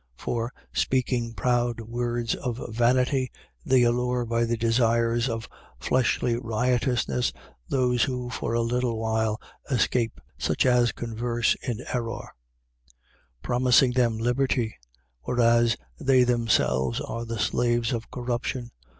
2:18. For, speaking proud words of vanity, they allure by the desires of fleshly riotousness those who for a little while escape, such as converse in error: 2:19. Promising them liberty, whereas they themselves are the slaves of corruption.